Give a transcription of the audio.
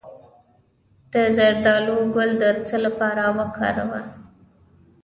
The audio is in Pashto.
د زردالو ګل د څه لپاره وکاروم؟